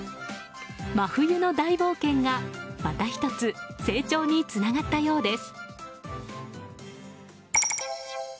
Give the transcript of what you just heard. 真冬の大冒険が、また１つ成長につながったようです。